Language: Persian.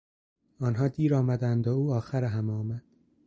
آنها دیر آمدند و او آخر همه آمد.